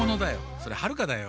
それはるかだよ。